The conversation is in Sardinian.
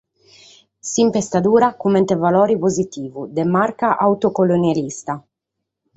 S’impestadura comente valore positivu, de marca autocolonialista.